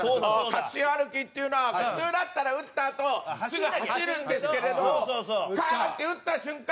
確信歩きっていうのは普通だったら打ったあとすぐ走るんですけれどもカーン！って打った瞬間